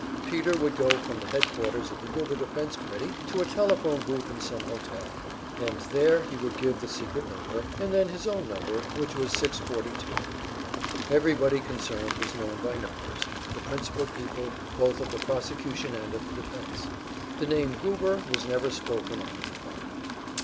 Peter would go from the headquarters of the Goober Defense Committee to a telephone booth in some hotel, and there he would give the secret number, and then his own number, which was six forty two. Everybody concerned was known by numbers, the principal people, both of the prosecution and of the defense; the name "Goober" was never spoken over the phone.